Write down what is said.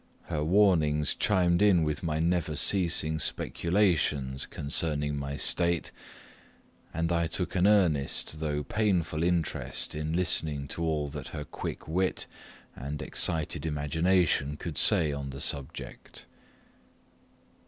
Her warnings chimed in with my never ceasing speculations concerning my state, and I took an earnest, though painful, interest in listening to all that her quick wit and excited imagination could say on the subject.